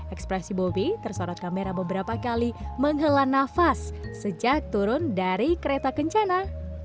ekspresi bobi tersorot kamera beberapa kali menghela nafas sejak turun dari kereta kencana